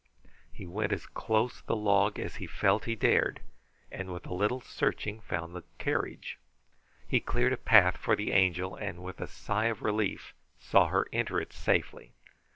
He went as close the log as he felt that he dared, and with a little searching found the carriage. He cleared a path for the Angel, and with a sigh of relief saw her enter it safely.